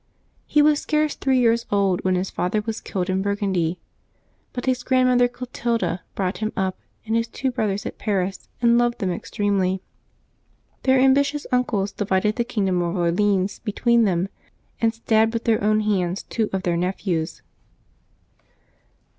He was scarce three years old when his father was killed in Bur ~\ gundy; but his grandmother Clotilda brought up him and liis two brothers at Paris, and loved them extremely. Their ambitious uncles divided the kingdom of Orleans between them, and stabbed with their own hands two of their nephews.